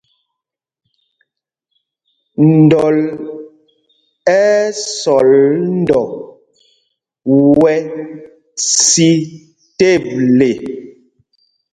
Ndɔl ɛ́ ɛ́ sɔl ndɔ wɛ́ sī teble.